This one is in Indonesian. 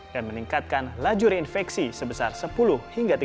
dan meningkatkan laju reinfeksi sebesar sepuluh hingga dua puluh persen